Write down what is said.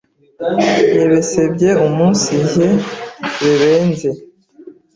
Yebesebye umunsijye bebenze